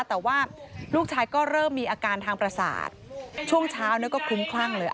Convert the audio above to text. แต่ว่าลูกชายก็เริ่มมีอาการทางประสาทช่วงเช้าก็คลุ้มคลั่งเลย